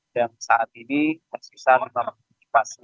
dan saat ini masih ada lima puluh pasien